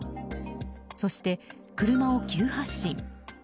そして、車を急発進。